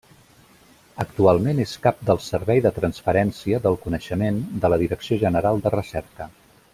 Actualment és Cap del servei de transferència del Coneixement de la Direcció General de Recerca.